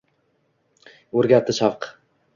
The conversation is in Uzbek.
O’rgatdi shavq